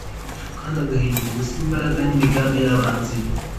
kandi agahindura ubusa imbaraga n’imigambi by’abanzi be